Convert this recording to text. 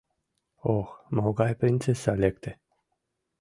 — Ох, могай принцесса лекте!